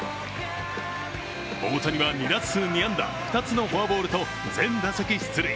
大谷は２打数２安打、２つのフォアボールと全打席出塁。